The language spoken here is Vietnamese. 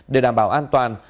để đảm bảo an toàn